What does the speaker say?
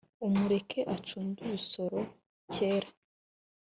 umureke acunde ubusoro kera